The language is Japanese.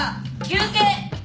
休憩。